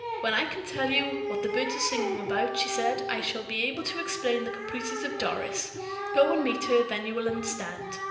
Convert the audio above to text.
"When I can tell you what the birds are singing about," she said, "I shall be able to explain the caprices of Doris. Go and meet her; then you will understand."